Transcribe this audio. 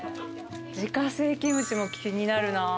自家製キムチも気になるなぁ。